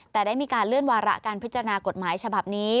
แต่ได้มีการเลื่อนวาระการพิจารณากฎหมายฉบับนี้